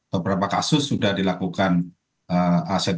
beberapa kasus sudah dilakukan aset